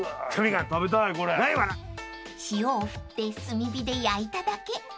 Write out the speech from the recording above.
［塩を振って炭火で焼いただけ］